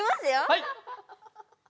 はい！